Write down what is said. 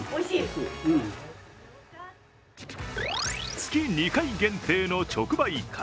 月２回限定の直売会。